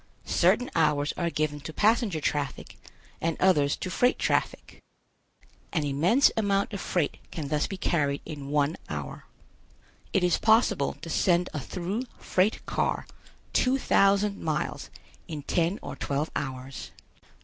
Certain hours are given to passenger traffic and others to freight traffic. An immense amount of freight can thus be carried in one hour. It is possible to send a through freight car two thousand miles in ten or twelve hours.